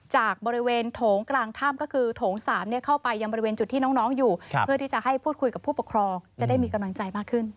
จากบริเวณโถงกลางถ้ำก็คือโถง๓เข้าไปยังบริเวณจุดที่น้องอยู่เพื่อที่จะให้พูดคุยกับผู้ปกครองจะได้มีกำลังใจมากขึ้น